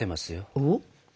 おっ？